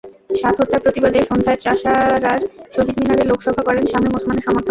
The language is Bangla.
সাত হত্যার প্রতিবাদে সন্ধ্যায় চাষাঢ়ার শহীদ মিনারে শোকসভা করেন শামীম ওসমানের সমর্থকেরা।